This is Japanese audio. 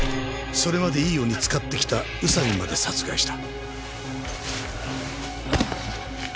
それまでいいように使ってきた宇佐美まで殺害した。